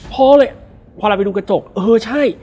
พอเลยพอเราไปดูกระจกเออใช่